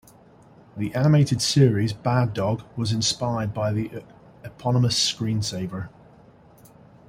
The animated series "Bad Dog" was inspired by the eponymous screensaver.